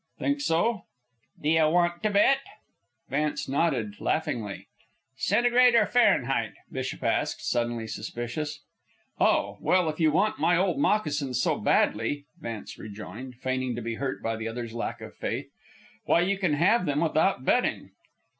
"Think so?" "D'ye want to bet?" Vance nodded laughingly. "Centigrade or Fahrenheit?" Bishop asked, suddenly suspicious. "Oh, well, if you want my old moccasins so badly," Vance rejoined, feigning to be hurt by the other's lack of faith, "why, you can have them without betting."